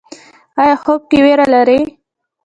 ایا خوب کې ویره لرئ؟